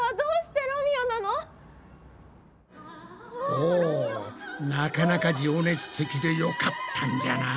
おなかなか情熱的でよかったんじゃない？